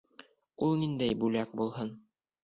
Ул ниндәй бүләк булһын?!